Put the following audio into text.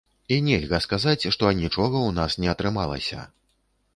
І нельга сказаць, што анічога ў нас не атрымалася.